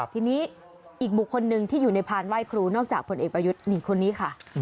ทีนี้อีกบุคคลหนึ่งที่อยู่ในพานไหว้ครูนอกจากผลเอกประยุทธ์นี่คนนี้ค่ะ